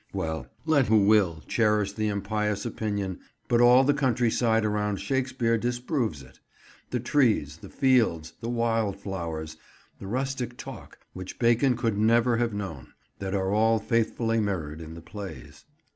Well, let who will cherish the impious opinion; but all the countryside around Stratford disproves it; the trees, the fields, the wild flowers, the rustic talk, which Bacon could never have known, that are all faithfully mirrored in the plays.